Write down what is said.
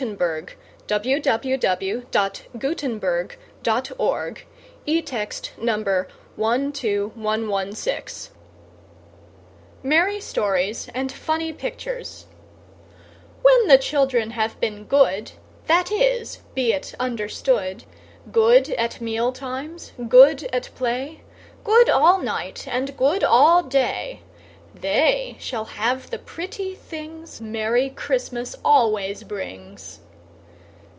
New York STRUWWELPETER Merry Stories and Funny Pictures When the children have been good, That is, be it understood, Good at meal times, good at play, Good all night and good all day They shall have the pretty things Merry Christmas always brings.